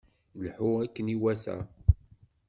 Lḥu akken iwata!